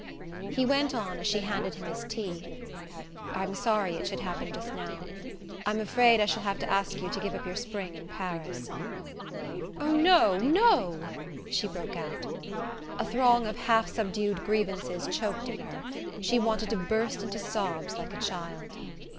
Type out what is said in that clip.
He went on, as she handed him his tea: "I'm sorry it should happen just now. I'm afraid I shall have to ask you to give up your spring in Paris." "Oh, no no!" she broke out. A throng of half subdued grievances choked in her: she wanted to burst into sobs like a child.